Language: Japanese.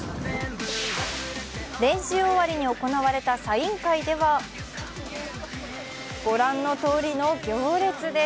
練習終わりに行われたサイン会では、ご覧のとおりの行列です。